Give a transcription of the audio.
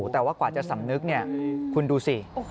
แต่ว่ากว่าจะสำนึกเนี่ยคุณดูสิ